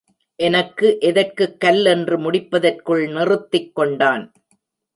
எனக்கு எதற்குக் கல் என்று முடிப்பதற்குள் நிறுத்திக் கொண்டான்.